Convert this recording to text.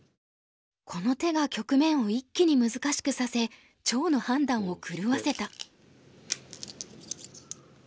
この手が局面を一気に難しくさせ趙の判断を狂わせた。